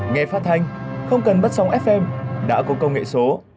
nghe phát thanh không cần bắt sóng fm đã có công nghệ số